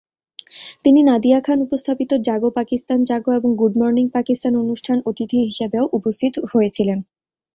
তিনি নাদিয়া খান উপস্থাপিত "জাগো পাকিস্তান জাগো" এবং "গুড মর্নিং পাকিস্তান" অনুষ্ঠান অতিথি হিসেবেও উপস্থিত হয়েছিলেন।